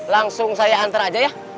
langsung saya antar aja ya